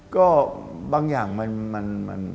ก็บางอย่างมัน